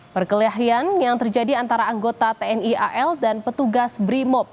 perkelahian yang terjadi antara anggota tni al dan petugas brimob